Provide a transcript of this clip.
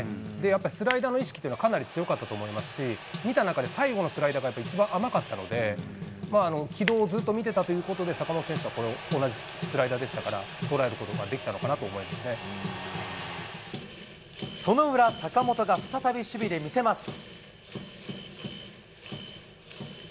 やっぱりスライダーの意識っていうのはかなり強かったと思いますし、見た中で、最後のスライダーがやっぱり、一番甘かったので、軌道をずっと見てたということで、坂本選手はこの同じスライダーでしたから、捉えることができたのその裏、坂本が再び守備で見せます。